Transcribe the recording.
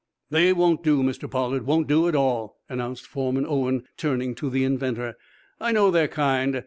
"They won't do Mr. Pollard won't do at all," announced Foreman Owen, turning to the inventor. "I know their kind.